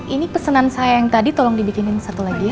ini pesanan saya yang tadi tolong dibikinin satu lagi ya